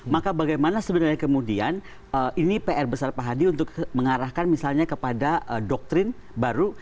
maka bagaimana sebenarnya kemudian ini pr besar pak hadi untuk mengarahkan misalnya kepada doktrin baru